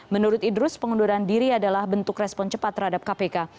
menurut idrus pengunduran diri adalah bentuk respon cepat terhadap kpk